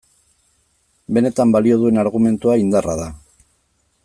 Benetan balio duen argumentua indarra da.